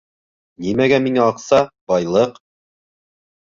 Нимәгә миңә аҡса, байлыҡ?..